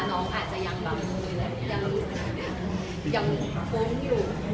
น้องอาจจะยังโพลงอยู่